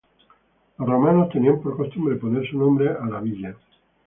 Los romanos tenían por costumbres poner su nombre a su villa..